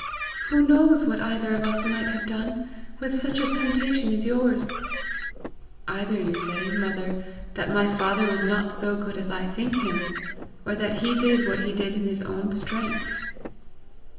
"Who knows what either of us might have done, with such a temptation as yours!" "Either you say, mother, that my father was not so good as I think him, or that he did what he did in his own strength!"